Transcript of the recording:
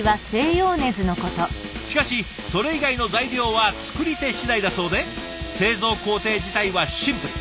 しかしそれ以外の材料は作り手次第だそうで製造工程自体はシンプル。